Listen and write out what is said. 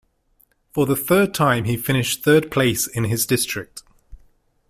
For the third time he finished third place in his district.